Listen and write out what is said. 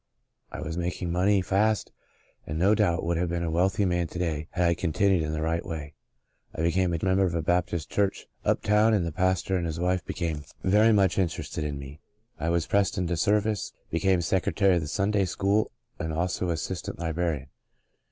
I was making money fast and no doubt would have been a wealthy man to day had I continued in the right way. I became a member of a Baptist Church up town and the pastor and his wife became 36 God's Good Man very much interested in me. I was pressed into service, became secretary of the Sunday school and also assistant librarian.